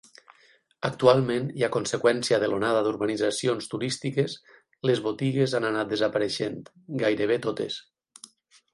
Actualment, i a conseqüència de l'onada d'urbanitzacions turístiques, les botigues han anat desapareixent, gairebé totes.